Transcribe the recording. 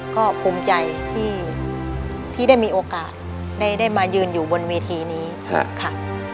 ก็ภูมิใจที่ได้มีโอกาสได้มายืนอยู่บนเวทีนี้ค่ะ